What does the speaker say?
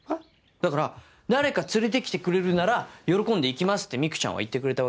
だから「誰か連れてきてくれるなら喜んで行きます」ってミクちゃんは言ってくれたわけ。